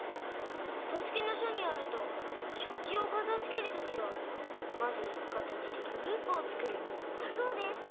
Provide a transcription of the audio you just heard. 「かたづけの書」によると「食器をかたづける時はまず形でグループをつくる」だそうです！